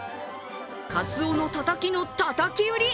かつおのタタキのたたき売り！